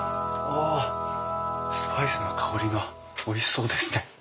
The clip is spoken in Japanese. あスパイスの香りがおいしそうですね。